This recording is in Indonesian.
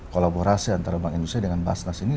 kolaborasi antara bank indonesia dengan basnas ini